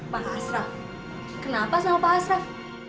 pak hasraf kenapa sama pak hasraf